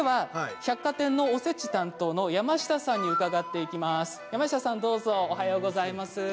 百貨店のおせち担当の山下さんに伺います。